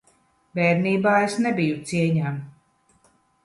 Bērnībā es nebiju cieņā.